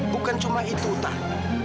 bukan cuma itu utari